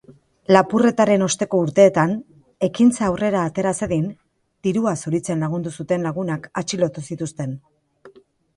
Lapurretaren osteko urteetan, ekintza aurrera atera zedin dirua zuritzen lagundu zuten lagunak atxilotu zituzten.